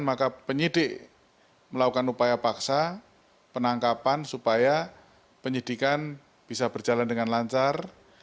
maka penyidik melakukan upaya paksa penangkapan supaya penyidikan bisa berjalan dengan lancar